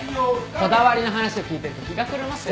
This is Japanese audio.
こだわりの話を聞いてると日が暮れますよ。